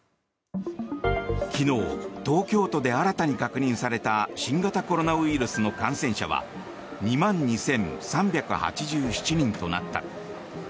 昨日、東京都で新たに確認された新型コロナウイルスの感染者は２万２３８７人となった。